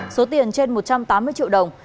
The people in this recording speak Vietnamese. số tiền trên một trăm tám mươi triệu đồng